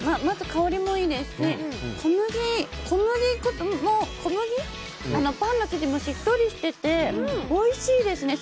香りもいいですし小麦、パンの生地もしっとりしてておいしいですね。